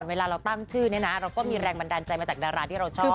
เวลาเราตั้งชื่อเนี่ยนะเราก็มีแรงบันดาลใจมาจากดาราที่เราชอบ